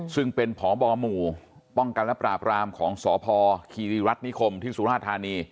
ซึ่งเป็นพบหมู่ป้องกันและปราบรามของสพคีรีรัฐนิคมที่สุราธานี